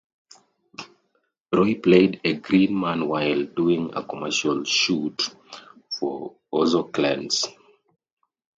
Roy played a green man while doing a commercial shoot for Ozocleanse.